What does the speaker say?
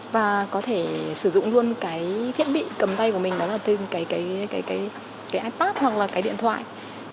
và có thể sử dụng luôn cái thiết bị cầm tay của mình đó là từ cái ipad hoặc là cái điện thoại